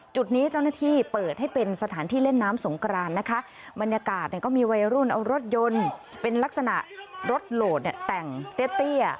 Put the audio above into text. จุดนี้เจ้าหน้าที่เปิดให้เป็นสถานที่เล่นน้ำสงกรานนะคะบรรยากาศเนี่ยก็มีวัยรุ่นเอารถยนต์เป็นลักษณะรถโหลดเนี่ยแต่งเตี้ยเตี้ย